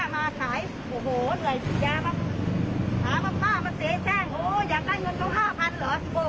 เหงื่อเลยค่ะฝ่ามันตายโอ้อยากได้เงินเท่าห้าพันหรอ